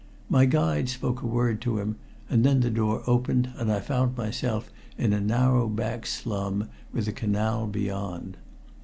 My guide spoke a word to him, and then the door opened and I found myself in a narrow back slum with the canal beyond.